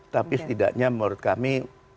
tapi setidaknya menurut kami